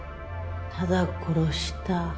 ただ殺した。